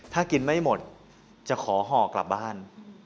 ถ้ากินไม่หมดจะขอห่อกลับบ้าน